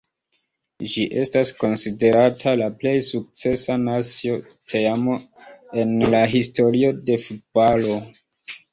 Ĝi estas konsiderata la plej sukcesa nacia teamo en la historio de futbalo.